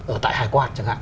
ở tại hải quan chẳng hạn